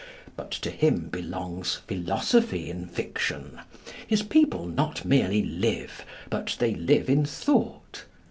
But to him belongs philosophy in fiction. His people not merely live, but they live in thought.